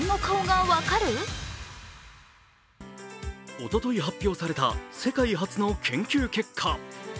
おととい発表された世界初の研究結果。